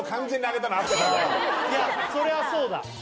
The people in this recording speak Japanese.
いやそりゃそうだ。